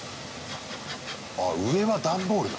あ上は段ボールなんだ。